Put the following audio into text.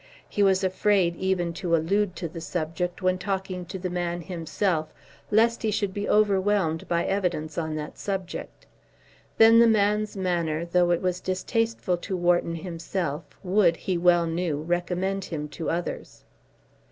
He was afraid even to allude to the subject when talking to the man himself, lest he should be overwhelmed by evidence on that subject. Then the man's manner, though it was distasteful to Wharton himself, would, he well knew, recommend him to others.